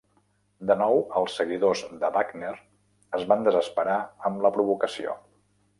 De nou, els seguidors de Wagner es van desesperar amb la provocació.